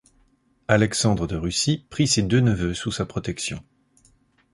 Alexandre de Russie prit ses deux neveux sous sa protection.